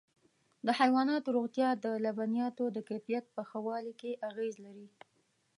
د حيواناتو روغتیا د لبنیاتو د کیفیت په ښه والي کې اغېز لري.